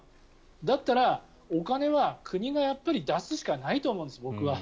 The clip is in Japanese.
だったら、お金は国が出すしかないと思うんです。